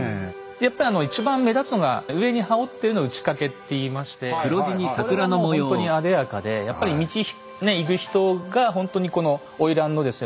やっぱり一番目立つのが上に羽織ってるの打掛っていいましてこれがもうほんとにあでやかでやっぱり道行く人がほんとにこの花魁のですね